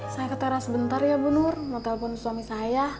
saya keteras sebentar ya bunur mau telepon suami saya iya